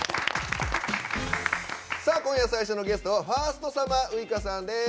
今夜最初のゲストはファーストサマーウイカさんです。